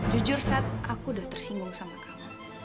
jujur saat aku udah tersinggung sama kamu